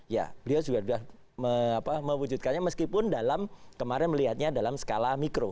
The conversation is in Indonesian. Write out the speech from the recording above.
ya beliau juga sudah mewujudkannya meskipun dalam kemarin melihatnya dalam skala mikro